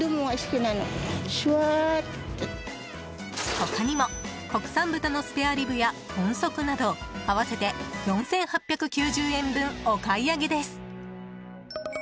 他にも国産豚のスペアリブや豚足など合わせて４８９０円分お買い上げです。